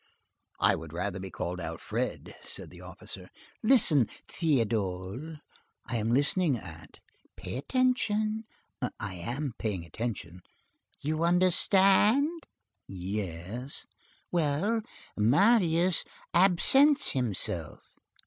"I would rather be called Alfred," said the officer. "Listen, Théodule." "I am listening, aunt." "Pay attention." "I am paying attention." "You understand?" "Yes." "Well, Marius absents himself!"